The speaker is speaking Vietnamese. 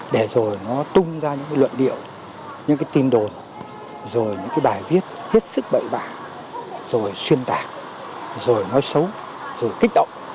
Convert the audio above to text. để rồi nó tung ra những luận điệu những tin đồn rồi những bài viết hết sức bậy bạc rồi xuyên tạc rồi nói xấu rồi kích động